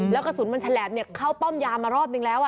แล้วกระสุนมันแฉลบเข้าป้อมยามมารอบนึงแล้ว